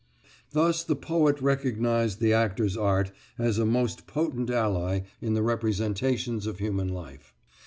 Thus the poet recognised the actor's art as a most potent ally in the representations of human life.